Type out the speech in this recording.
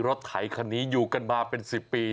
ไถคันนี้อยู่กันมาเป็น๑๐ปี